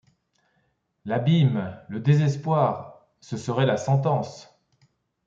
L’abîme ! le désespoir ! ce serait la sentence !